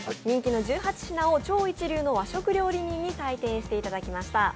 人気の１８品を超一流の和食料理人に採点していただきました。